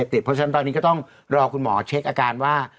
เพราะฉะนั้นตอนนี้ก็ต้องรอคุณหมอเช็คอาการว่า